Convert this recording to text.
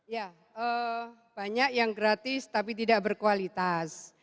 ya banyak yang gratis tapi tidak berkualitas